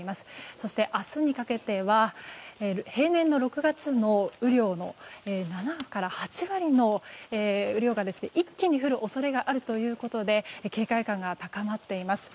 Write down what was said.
そして、明日にかけては平年の６月の雨量の７から８割の雨量が一気に降る恐れがあるということで警戒感が高まっています。